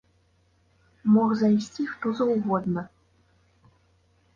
Мог зайсці хто заўгодна.